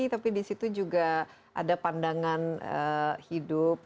tapi disitu juga ada pandangan hidup